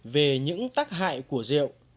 về những tác hại của diệu